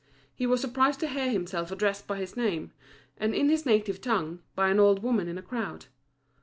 He was surprised to hear himself addressed by his name, and in his native tongue, by an old woman in the crowd.